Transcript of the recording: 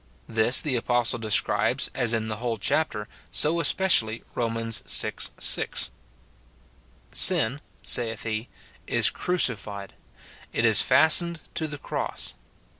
This the apostle describes, as in the whole chapter, so especially, Rom. vi. 6. "Sin," saith he, "is crucified;" it is fastened to the cross.